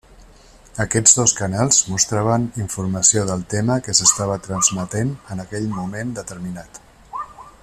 Aquests dos canals mostraven informació del tema que s'estava transmetent en aquell moment determinat.